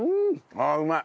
ああうまい。